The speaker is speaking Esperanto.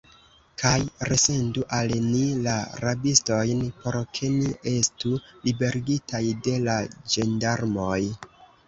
Kaj resendu al ni la rabistojn, por ke ni estu liberigitaj de la ĝendarmoj!